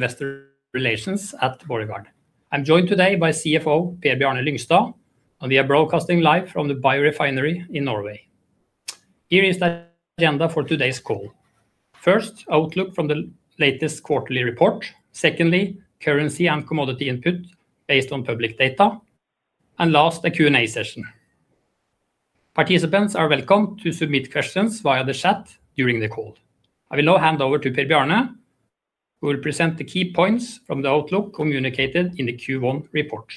Investor relations at Borregaard. I'm joined today by CFO Per Bjarne Lyngstad, and we are broadcasting live from the biorefinery in Norway. Here is the agenda for today's call. First, outlook from the latest quarterly report. Secondly, currency and commodity input based on public data. Last, a Q&A session. Participants are welcome to submit questions via the chat during the call. I will now hand over to Per Bjarne, who will present the key points from the outlook communicated in the Q1 report.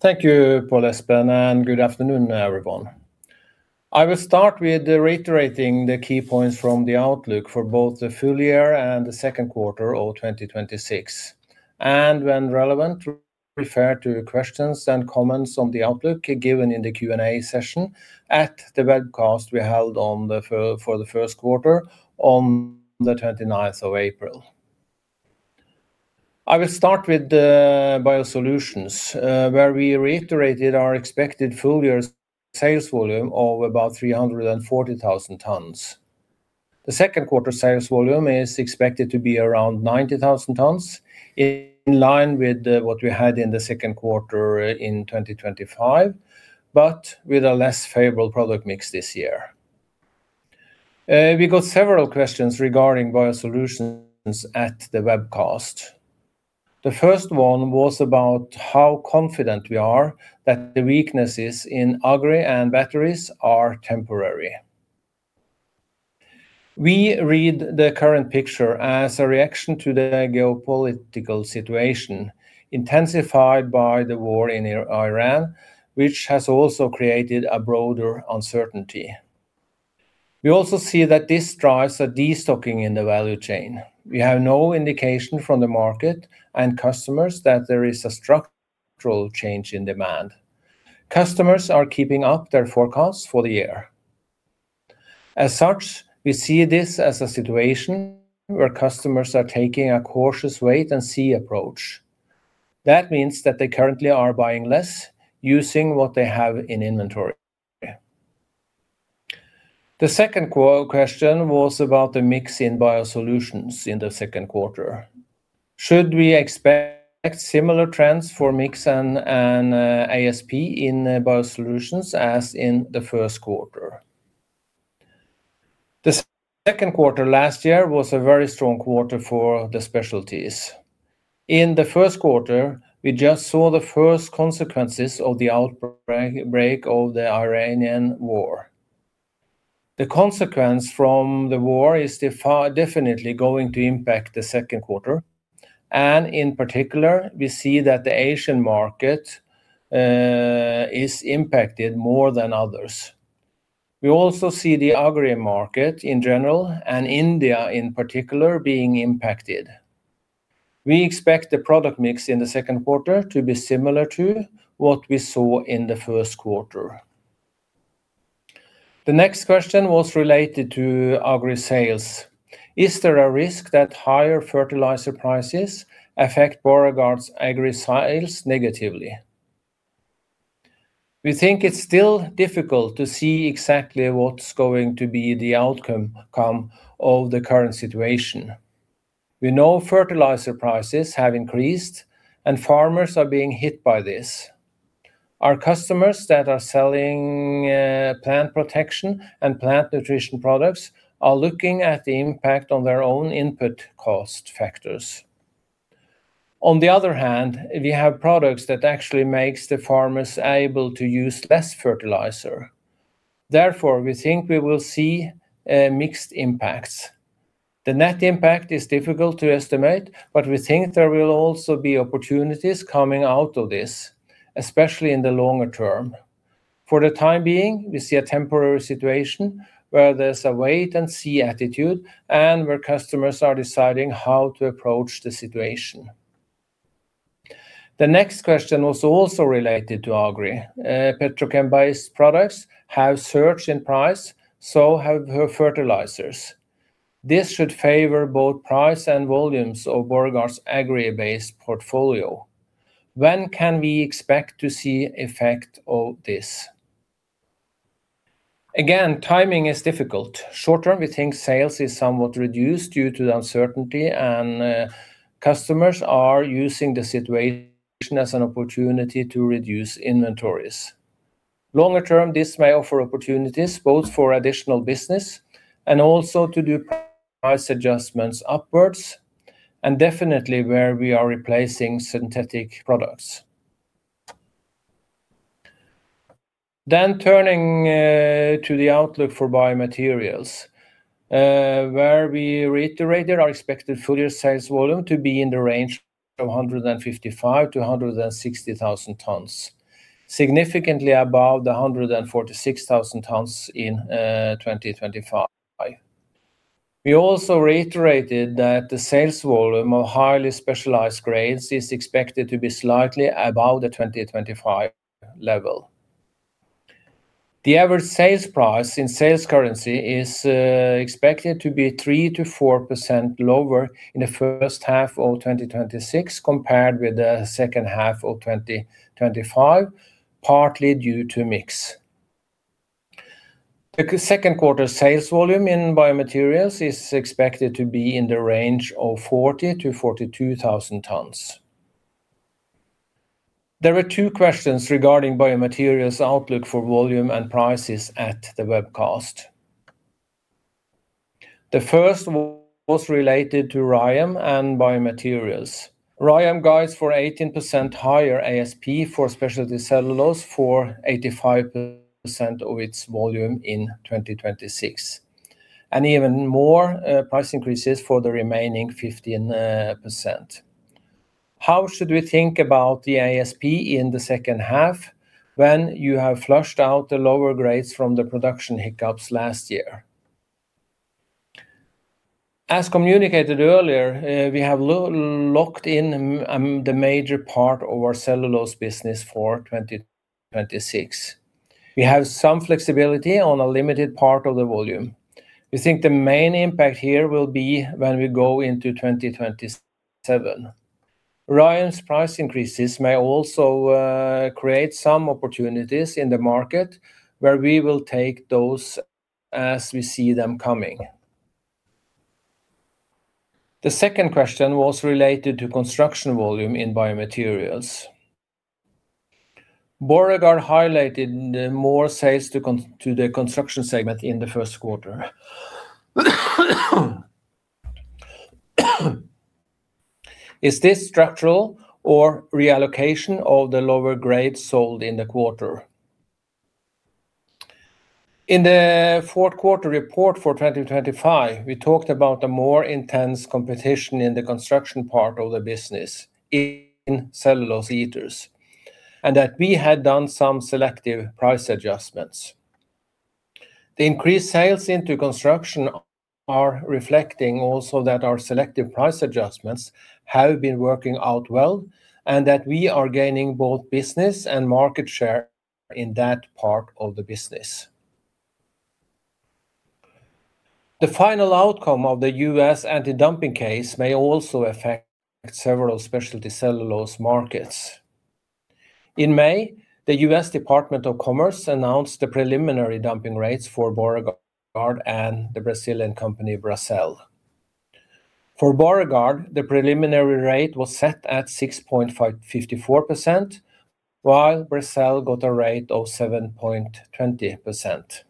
Thank you, Pål Espen, and good afternoon, everyone. I will start with reiterating the key points from the outlook for both the full year and the Q2 of 2026, and when relevant, refer to questions and comments on the outlook given in the Q&A session at the webcast we held for theQ1 on the April 29th. I will start with the BioSolutions, where we reiterated our expected full year sales volume of about 340,000 tons. The Q2 sales volume is expected to be around 90,000 tons, in line with what we had in the Q2 in 2025, but with a less favorable product mix this year. We got several questions regarding BioSolutions at the webcast. The first one was about how confident we are that the weaknesses in agri and batteries are temporary. We read the current picture as a reaction to the geopolitical situation, intensified by the war in Iran, which has also created a broader uncertainty. We also see that this drives a de-stocking in the value chain. We have no indication from the market and customers that there is a structural change in demand. Customers are keeping up their forecasts for the year. As such, we see this as a situation where customers are taking a cautious wait and see approach. That means that they currently are buying less, using what they have in inventory. The second question was about the mix in BioSolutions in the Q2. Should we expect similar trends for mix and ASP in BioSolutions as in the Q1? The Q2 last year was a very strong quarter for the specialties. In the Q1, we just saw the first consequences of the outbreak of the Iranian war. The consequence from the war is definitely going to impact the Q2, and in particular, we see that the Asian market is impacted more than others. We also see the agri market in general and India in particular being impacted. We expect the product mix in the Q2 to be similar to what we saw in the Q1. The next question was related to agri sales. Is there a risk that higher fertilizer prices affect Borregaard's agri sales negatively? We think it's still difficult to see exactly what's going to be the outcome of the current situation. We know fertilizer prices have increased and farmers are being hit by this. Our customers that are selling plant protection and plant nutrition products are looking at the impact on their own input cost factors. On the other hand, we have products that actually makes the farmers able to use less fertilizer. Therefore, we think we will see mixed impacts. The net impact is difficult to estimate, but we think there will also be opportunities coming out of this, especially in the longer term. For the time being, we see a temporary situation where there's a wait and see attitude and where customers are deciding how to approach the situation. The next question was also related to agri. Petrochem-based products have surged in price, so have fertilizers. This should favor both price and volumes of Borregaard's agri-based portfolio. When can we expect to see effect of this? Again, timing is difficult. Short term, we think sales is somewhat reduced due to the uncertainty, and customers are using the situation as an opportunity to reduce inventories. Longer term, this may offer opportunities both for additional business and also to do price adjustments upwards, and definitely where we are replacing synthetic products. Turning to the outlook for BioMaterials, where we reiterated our expected full year sales volume to be in the range of 155,000-160,000 tons, significantly above the 146,000 tons in 2025. We also reiterated that the sales volume of highly specialized grades is expected to be slightly above the 2025 level. The average sales price in sales currency is expected to be three percent-four percent lower in the first half of 2026 compared with the second half of 2025, partly due to mix. The second quarter sales volume in BioMaterials is expected to be in the range of 40,000-42,000 tons. There are two questions regarding BioMaterials outlook for volume and prices at the webcast. The first was related to RYAM and BioMaterials. RYAM guides for 18% higher ASP for speciality cellulose for 85% of its volume in 2026, and even more price increases for the remaining 15%. How should we think about the ASP in the second half when you have flushed out the lower grades from the production hiccups last year? As communicated earlier, we have locked in the major part of our cellulose business for 2026. We have some flexibility on a limited part of the volume. We think the main impact here will be when we go into 2027. RYAM's price increases may also create some opportunities in the market, where we will take those as we see them coming. The second question was related to construction volume in BioMaterials. Borregaard highlighted more sales to the construction segment in the Q1. Is this structural or reallocation of the lower grades sold in the quarter? In the Q4 report for 2025, we talked about the more intense competition in the construction part of the business in cellulose ethers, and that we had done some selective price adjustments. The increased sales into construction are reflecting also that our selective price adjustments have been working out well, and that we are gaining both business and market share in that part of the business. The final outcome of the U.S. anti-dumping case may also affect several speciality cellulose markets. In May, the U.S. Department of Commerce announced the preliminary dumping rates for Borregaard and the Brazilian company Bracell. For Borregaard, the preliminary rate was set at 6.54%, while Bracell got a rate of 7.20%.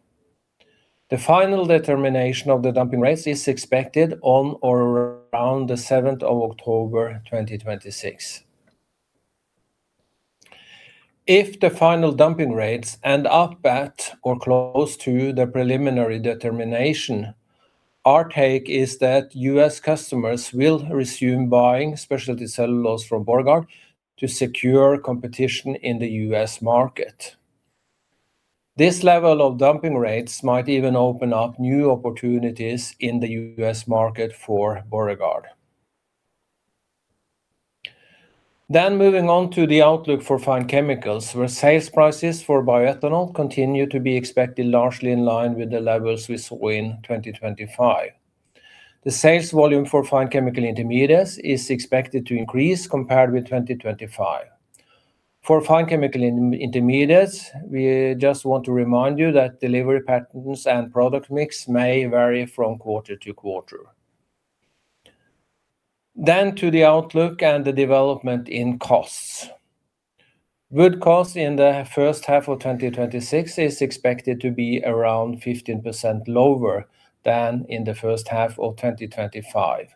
The final determination of the dumping rates is expected on or around the October 7th 2026. If the final dumping rates end up at or close to the preliminary determination, our take is that U.S. customers will resume buying specialty cellulose from Borregaard to secure competition in the U.S. market. This level of dumping rates might even open up new opportunities in the U.S. market for Borregaard. Moving on to the outlook for Fine Chemicals, where sales prices for bioethanol continue to be expected largely in line with the levels we saw in 2025. The sales volume for fine chemical intermediates is expected to increase compared with 2025. For fine chemical intermediates, we just want to remind you that delivery patterns and product mix may vary from quarter to quarter. To the outlook and the development in costs. Wood costs in the first half of 2026 is expected to be around 15% lower than in the first half of 2025.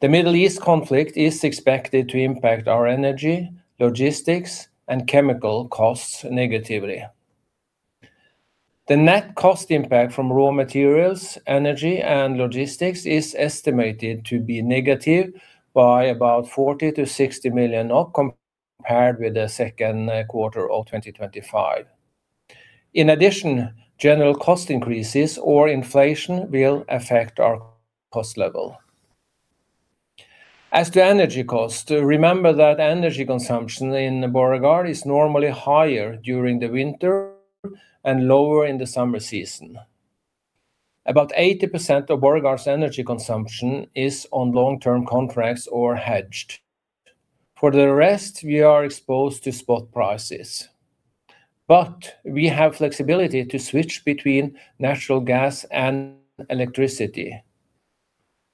The Middle East conflict is expected to impact our energy, logistics, and chemical costs negatively. The net cost impact from raw materials, energy, and logistics is estimated to be negative by about 40 million-60 million, not compared with the Q2 of 2025. In addition, general cost increases or inflation will affect our cost level. As to energy cost, remember that energy consumption in Borregaard is normally higher during the winter and lower in the summer season. About 80% of Borregaard's energy consumption is on long-term contracts or hedged. For the rest, we are exposed to spot prices, we have flexibility to switch between natural gas and electricity.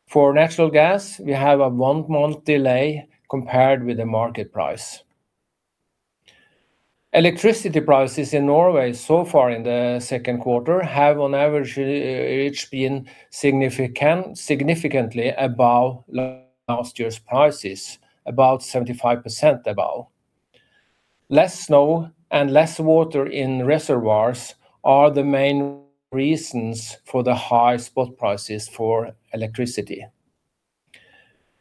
For natural gas, we have a one-month delay compared with the market price. Electricity prices in Norway so far in the Q2 have on average been significantly above last year's prices, about 75% above. Less snow and less water in reservoirs are the main reasons for the high spot prices for electricity.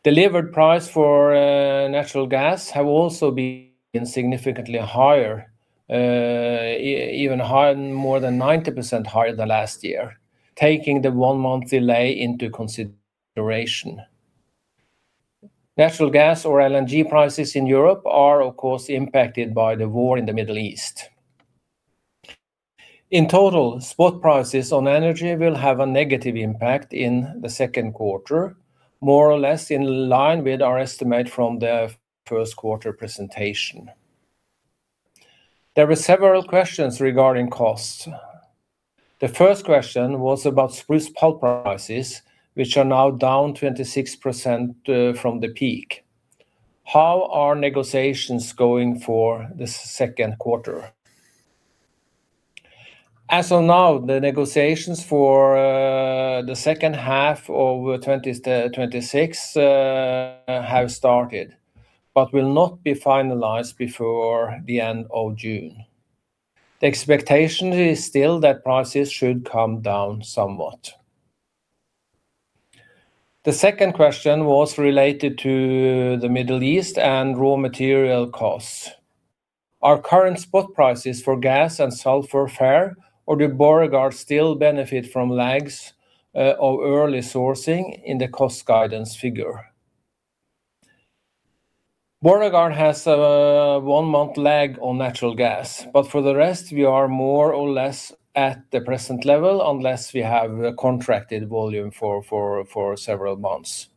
Delivered price for natural gas have also been significantly higher, even more than 90% higher than last year, taking the one-month delay into consideration. Natural gas or LNG prices in Europe are, of course, impacted by the war in the Middle East. In total, spot prices on energy will have a negative impact in the Q2, more or less in line with our estimate from the Q1 presentation. There were several questions regarding costs. The first question was about spruce pulp prices, which are now down 26% from the peak. How are negotiations going for the Q2? As of now, the negotiations for the second half of 2026 have started, will not be finalized before the end of June. The expectation is still that prices should come down somewhat. The second question was related to the Middle East and raw material costs. Are current spot prices for gas and sulfur fair, do Borregaard still benefit from lags of early sourcing in the cost guidance figure? Borregaard has a one-month lag on natural gas, for the rest, we are more or less at the present level unless we have contracted volume for several months.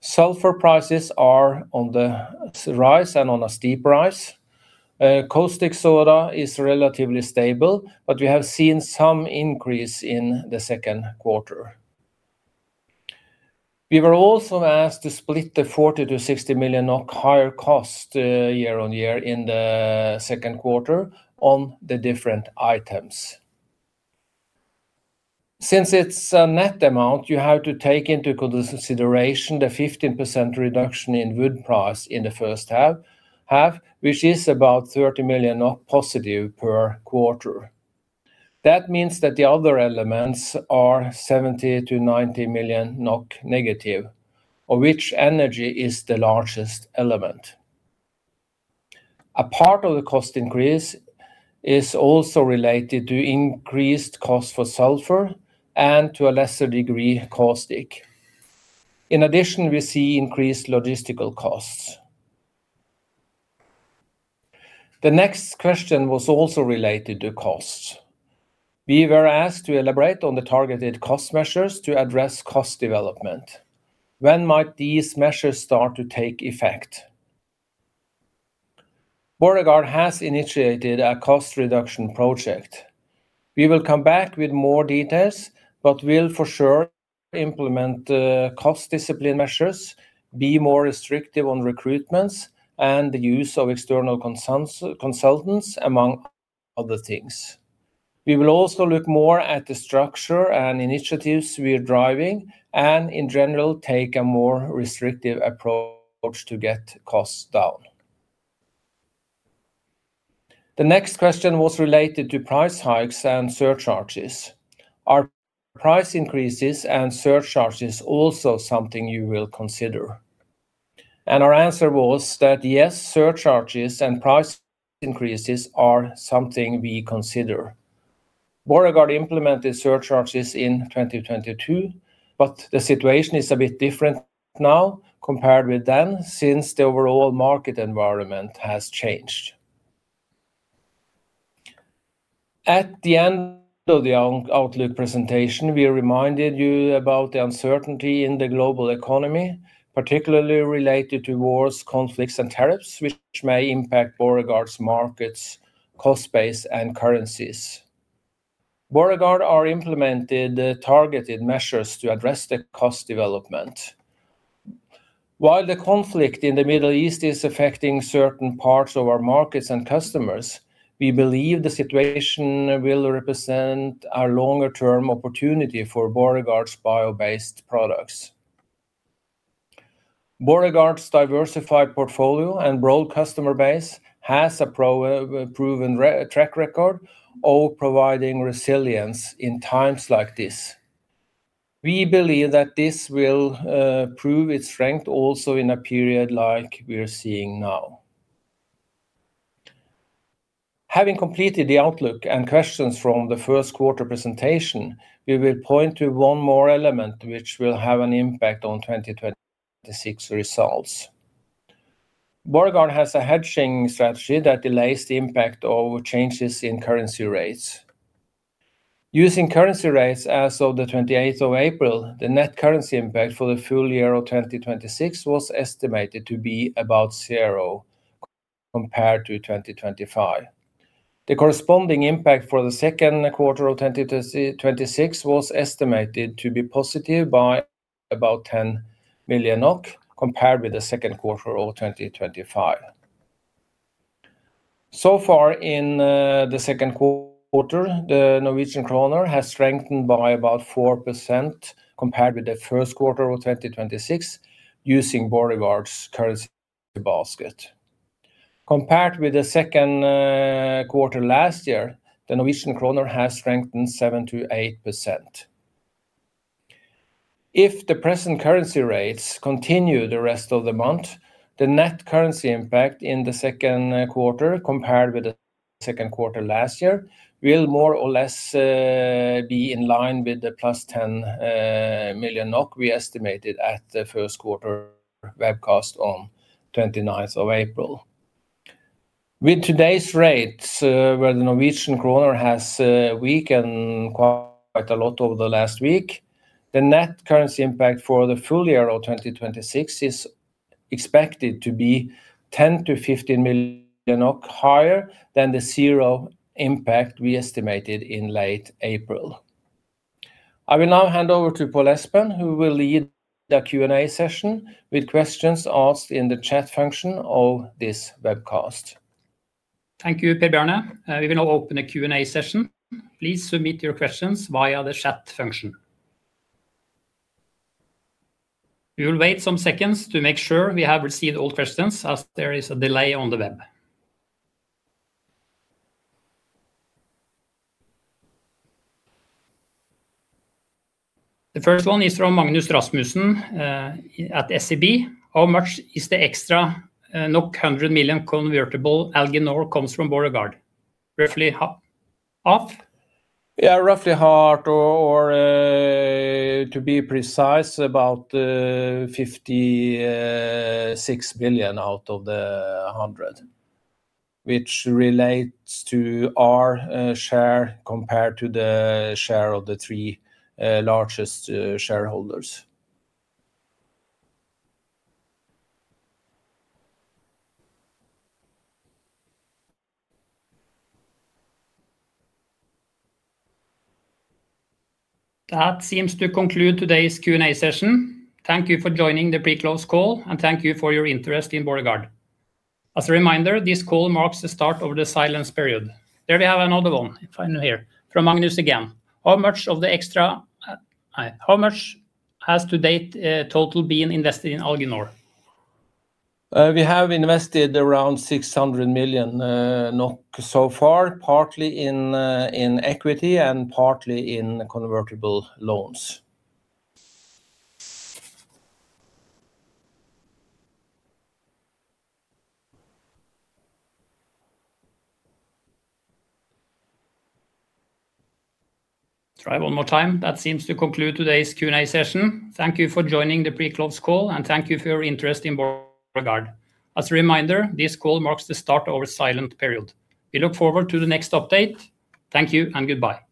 Sulfur prices are on the rise and on a steep rise. Caustic soda is relatively stable, we have seen some increase in the Q2. We were also asked to split the 40 million-60 million NOK higher cost year-over-year in the Q2 on the different items. Since it's a net amount, you have to take into consideration the 15% reduction in wood price in the first half, which is about 30 million positive per quarter. That means that the other elements are 70 million-90 million NOK negative, of which energy is the largest element. A part of the cost increase is also related to increased cost for sulfur and to a lesser degree, caustic. In addition, we see increased logistical costs. The next question was also related to costs. We were asked to elaborate on the targeted cost measures to address cost development. When might these measures start to take effect? Borregaard has initiated a cost reduction project. We will come back with more details, but we'll for sure implement cost discipline measures, be more restrictive on recruitments, and the use of external consultants, among other things. We will also look more at the structure and initiatives we are driving, and in general, take a more restrictive approach to get costs down. The next question was related to price hikes and surcharges. Are price increases and surcharges also something you will consider? And our answer was that yes, surcharges and price increases are something we consider. Borregaard implemented surcharges in 2022, but the situation is a bit different now compared with then, since the overall market environment has changed. At the end of the outlook presentation, we reminded you about the uncertainty in the global economy, particularly related to wars, conflicts, and tariffs, which may impact Borregaard's markets, cost base, and currencies. Borregaard are implemented targeted measures to address the cost development. While the conflict in the Middle East is affecting certain parts of our markets and customers, we believe the situation will represent a longer-term opportunity for Borregaard's bio-based products. Borregaard's diversified portfolio and broad customer base has a proven track record of providing resilience in times like this. We believe that this will prove its strength also in a period like we are seeing now. Having completed the outlook and questions from the Q1 presentation, we will point to one more element which will have an impact on 2026 results. Borregaard has a hedging strategy that delays the impact of changes in currency rates. Using currency rates as of the April 28th, the net currency impact for the full year of 2026 was estimated to be about zero compared to 2025. The corresponding impact for the Q2 of 2026 was estimated to be positive by about 10 million NOK, compared with the Q2 of 2025. So far in the Q2, the Norwegian kroner has strengthened by about four percent compared with the Q1 of 2026 using Borregaard's currency basket. Compared with the Q2 last year, the Norwegian kroner has strengthened seven percent-eight percent. If the present currency rates continue the rest of the month, the net currency impact in the Q2 compared with the second quarter last year will more or less be in line with the +10 million NOK we estimated at the Q1 webcast on April 29th. With today's rates, where the Norwegian kroner has weakened quite a lot over the last week. The net currency impact for the full year of 2026 is expected to be 10 million-15 million higher than the zero impact we estimated in late April. I will now hand over to Pål Espen, who will lead the Q&A session with questions asked in the chat function of this webcast. Thank you, Per Bjarne. We will now open a Q&A session. Please submit your questions via the chat function. We will wait some seconds to make sure we have received all questions, as there is a delay on the web. The first one is from Magnus Rasmussen at SEB. How much is the extra 100 million convertible Alginor comes from Borregaard? Roughly half? Yeah, roughly half, or to be precise, about 56 million out of the 100 million, which relates to our share compared to the share of the three largest shareholders. That seems to conclude today's Q&A session. Thank you for joining the Pre-close call, and thank you for your interest in Borregaard. As a reminder, this call marks the start of the silence period. There we have another one, finally here, from Magnus again. How much has to date total been invested in Alginor? We have invested around 600 million NOK so far, partly in equity and partly in convertible loans. Try one more time. That seems to conclude today's Q&A session. Thank you for joining the Pre-close call, and thank you for your interest in Borregaard. As a reminder, this call marks the start of our silent period. We look forward to the next update. Thank you and goodbye.